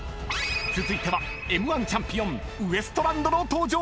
［続いてはＭ−１チャンピオンウエストランドの登場です］